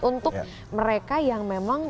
untuk mereka yang memang